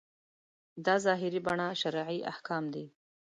دا ظاهري بڼه شرعي احکام دي.